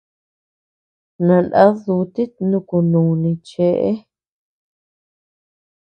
Nanad dutit nuku nuni chëe.